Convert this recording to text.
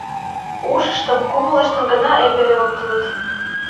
Ушыштым, кумылыштым гына эпере локтылыт.